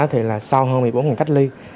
thì là sau hơn một mươi bốn ngày cách ly